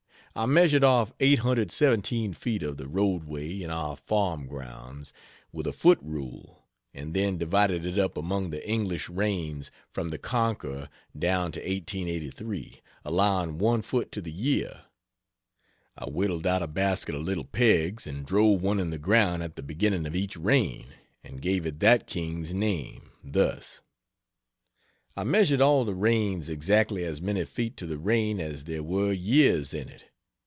I measured off 817 feet of the road way in our farm grounds, with a foot rule, and then divided it up among the English reigns, from the Conqueror down to 1883, allowing one foot to the year. I whittled out a basket of little pegs and drove one in the ground at the beginning of each reign, and gave it that King's name thus: I measured all the reigns exactly as many feet to the reign as there were years in it.